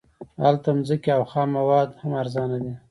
هلته ځمکې او خام مواد هم ارزانه دي